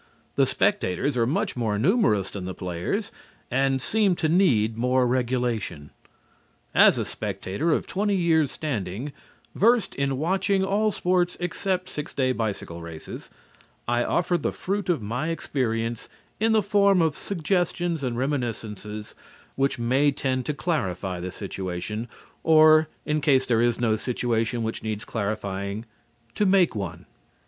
The spectators are much more numerous than the players, and seem to need more regulation. As a spectator of twenty years standing, versed in watching all sports except six day bicycle races, I offer the fruit of my experience in the form of suggestions and reminiscences which may tend to clarify the situation, or, in case there is no situation which needs clarifying, to make one.